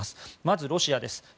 まずロシアです。